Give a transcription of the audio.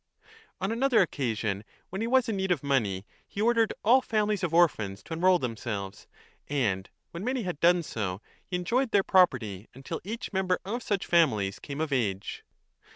On another occasion when he was in need of money, he 1 5 ordered all families of orphans to enrol themselves; and when many 2 had done so, he enjoyed their property until each member of such families came of age.